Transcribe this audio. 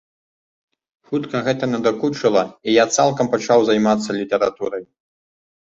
Хутка гэта надакучыла, і я цалкам пачаў займацца літаратурай.